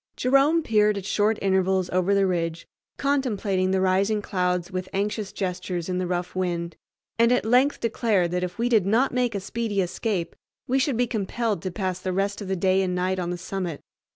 Jerome peered at short intervals over the ridge, contemplating the rising clouds with anxious gestures in the rough wind, and at length declared that if we did not make a speedy escape we should be compelled to pass the rest of the day and night on the summit.